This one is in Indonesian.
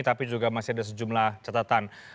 tapi juga masih ada sejumlah catatan